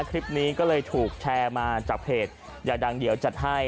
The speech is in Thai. คลิปนี้ก็เลยถูกแชร์มาจากเพจอยากดังเดี๋ยวจัดให้